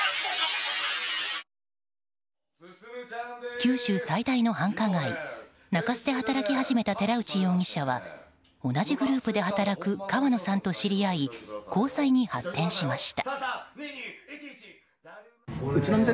九州最大の繁華街・中洲で働き始めた寺内容疑者は同じグループで働く川野さんと知り合い交際に発展しました。